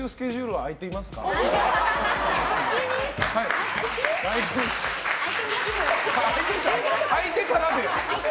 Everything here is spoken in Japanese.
空いてたらで。